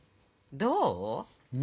どう？